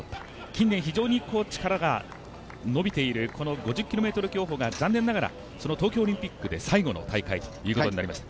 近年、非常に力が伸びている５０ｋｍ競歩が残念ながら東京オリンピックで最後の開会となりました